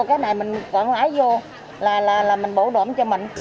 cái này mình còn lái vô là mình bổ đổm cho mình